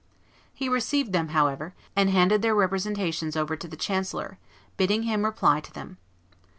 He received them, however, and handed their representations over to the chancellor, bidding him reply to them.